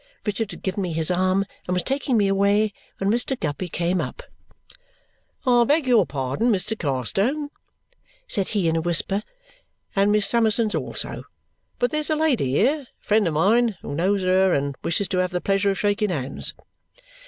Richard had given me his arm and was taking me away when Mr. Guppy came up. "I beg your pardon, Mr. Carstone," said he in a whisper, "and Miss Summerson's also, but there's a lady here, a friend of mine, who knows her and wishes to have the pleasure of shaking hands."